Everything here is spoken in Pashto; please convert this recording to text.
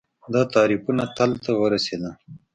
دا تعریفونه تل ته ورورسېدل